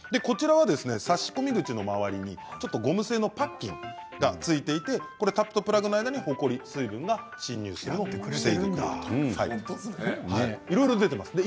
差し込み口の周りにゴム製のパッキンがついていてタップとプラグの間にほこり、水分が侵入するのを防いでくれるというものです。